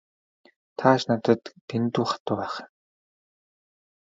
Та ч надад дэндүү хатуу байх юм.